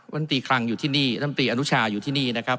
วันตีคลังอยู่ที่นี่ลำตีอนุชาอยู่ที่นี่นะครับ